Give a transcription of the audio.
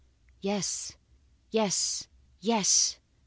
yes! yes! yes!